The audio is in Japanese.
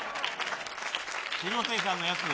広末さんのやつ。